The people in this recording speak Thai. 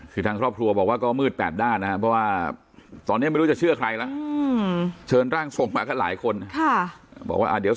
คือท่านครอบครัวบอกว่าก็มืดแปดด้านนะว่าตอนนี้ไม่รู้จะเชื่อใครนะเชิญร่างส่งมาแล้วหลายคนค่ะบอกว่าเดี๋ยว